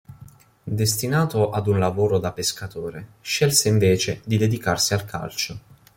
Destinato ad un lavoro da pescatore, scelse invece di dedicarsi al calcio.